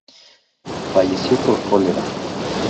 Falleció por cólera.